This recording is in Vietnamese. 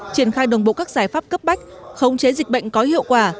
triển khai đồng bộ các giải pháp cấp bách khống chế dịch bệnh có hiệu quả